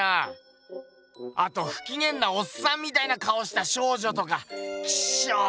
あとふきげんなおっさんみたいな顔をした少女とかキショ！